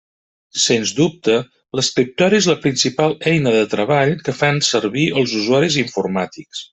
Sens dubte, l'escriptori és la principal eina de treball que fan servir els usuaris informàtics.